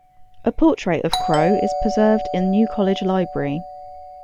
A portrait of Crowe is preserved in New College library.